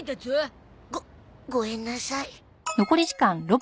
ごごえんなさい。